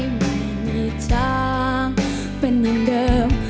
ไม่มีทางเป็นอย่างเดิม